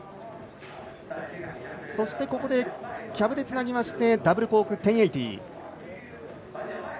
そして、キャブでつなぎましてダブルコーク１０８０。